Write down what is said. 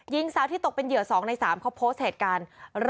หญิงสาวที่ตกเป็นเหยื่อ๒ใน๓เขาโพสต์เหตุการณ์